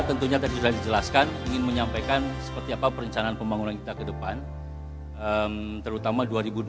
sudah dijelaskan ingin menyampaikan seperti apa perencanaan pembangunan kita ke depan terutama